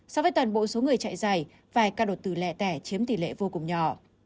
so với toàn bộ số người chạy giải vài ca đột từ lẹ tẻ chiếm tỷ lệ vô cùng nhỏ